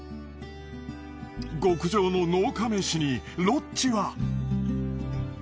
極上の農家メシにロッチは。